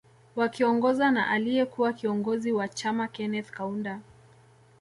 Wakiongozwa na aliye kuwa kiongozi wa chama Keneth Kaunda